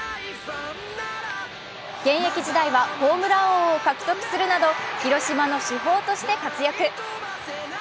現役時代は、ホームラン王を獲得するなど広島の主砲として活躍。